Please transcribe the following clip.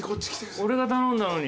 俺が頼んだのに。